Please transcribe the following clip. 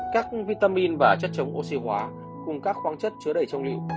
các vitamin và chất chống oxy hóa cùng các khoáng chất chứa đầy trong lưu